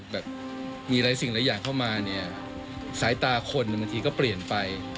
แบบมีหลายสิ่งหลายอย่างเข้ามาเนี่ยสายตาคนบางทีก็เปลี่ยนไป